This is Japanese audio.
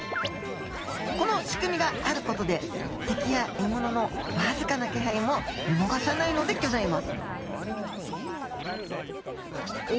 この仕組みがあることで敵や獲物のわずかな気配もみのがさないのでギョざいます！